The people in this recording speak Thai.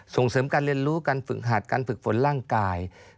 ส่งเสริมการเรียนรู้การฝึกหัดการฝึกฝนร่างกาย